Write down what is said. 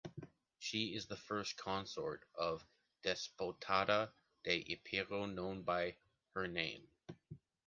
She is the first consort of Despotado de Epiro known by her name.